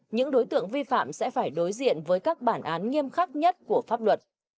những đối tượng vi phạm sẽ phải đối diện với các bản án nghiêm khắc nhất của pháp luật